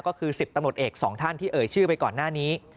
ก็คือ๑๐ตำรวจเอกสองท่านที่เอ่ยชื่อไปก่อนหน้านี้